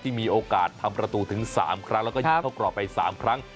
มีโอกาสทำประตูถึง๓ครั้งแล้วก็ยิงเข้ากรอบไป๓ครั้ง